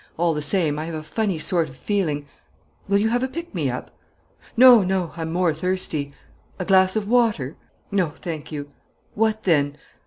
All the same, I have a funny sort of feeling " "Will you have a pick me up?" "No, no; I'm more thirsty." "A glass of water?" "No, thank you." "What then?"